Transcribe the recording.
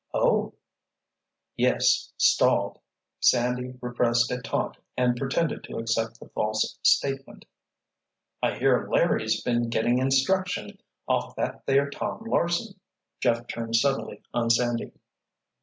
"Oh!" Yes—stalled! Sandy repressed a taunt and pretended to accept the false statement. "I hear Larry's been getting instruction off that there Tom Larsen," Jeff turned suddenly on Sandy.